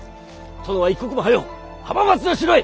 殿は一刻も早う浜松の城へ！